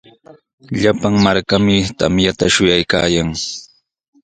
Llapan markami tamyata shuyaykaayan.